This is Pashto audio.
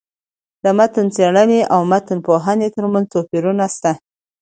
د متن څېړني او متن پوهني ترمنځ توپيرونه سته.